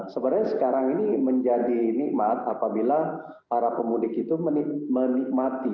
sebenarnya sekarang ini menjadi nikmat apabila para pemudik itu menikmati